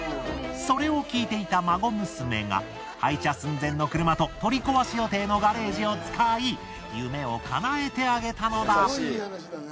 それを聞いていた孫娘が廃車寸前の車と取り壊し予定のガレージを使い夢を叶えてあげたのだ。